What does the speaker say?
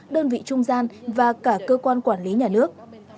đơn vị trung gian và cả cơ quan quản lý nhà nước